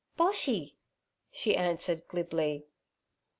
'Boshy' she answered glibly.